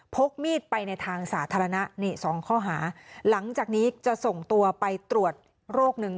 พกมีดไปในทางสาธารณะนี่สองข้อหาหลังจากนี้จะส่งตัวไปตรวจโรคนึง